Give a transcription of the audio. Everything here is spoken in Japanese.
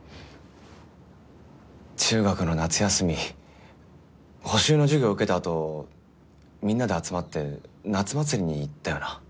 中学の夏休み補習の授業を受けたあとみんなで集まって夏祭りに行ったよな？